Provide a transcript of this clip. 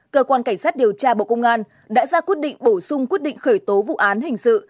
cơ quan cảnh sát điều tra bộ công an đã ra quyết định bổ sung quyết định khởi tố vụ án hình sự